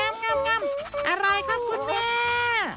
ง่ำอะไรครับคุณแม่